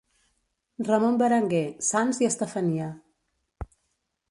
Ramon Berenguer, Sanç i Estefania.